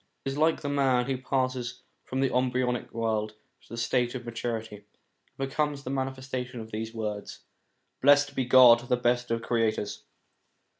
It is like the man who passes from the embryonic world to the state of maturity, and becomes the manifestation of these words :* Blessed be God, the best of Creators.'